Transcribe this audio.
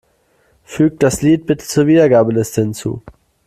Füg das Lied bitte zur Wiedergabeliste hinzu.